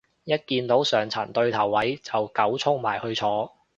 一見到上層對頭位就狗衝埋去坐